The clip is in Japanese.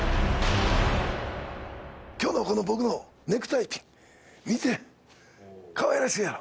今日のこの僕のネクタイピン見てかわいらしいやろ？